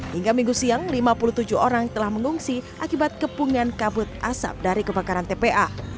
hingga minggu siang lima puluh tujuh orang telah mengungsi akibat kepungan kabut asap dari kebakaran tpa